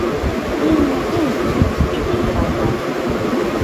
— Бум-бум! — тӱмыр пералта.